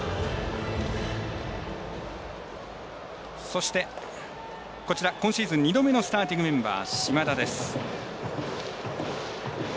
そして、今シーズン２度目のスターティングメンバー島田です。